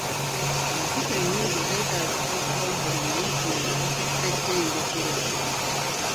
Empisa ennungi zeetaagibwa okuva mu buli muyizi nga ali ku ssettendekero.